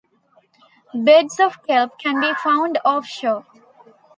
Beds of kelp can be found offshore.